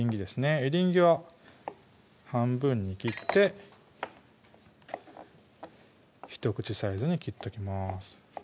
エリンギは半分に切ってひと口サイズに切っときます